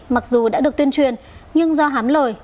mặc dù đã được tuyên truyền nhưng do hám lời